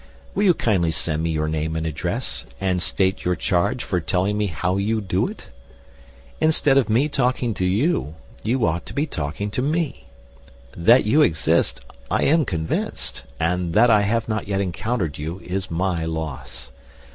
Will you kindly send me your name and address, and state your charge for telling me how you do it? Instead of me talking to you, you ought to be talking to me. Please come forward. That you exist, I am convinced, and that I have not yet encountered you is my loss.